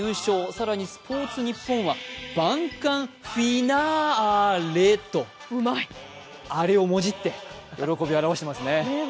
更に「スポーツニッポン」は万感フィナーアレと、アレをもじって喜びを表していますね。